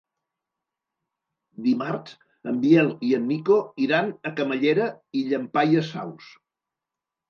Dimarts en Biel i en Nico iran a Camallera i Llampaies Saus.